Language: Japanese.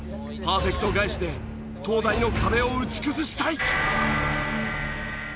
パーフェクト返しで東大の壁を打ち崩したい。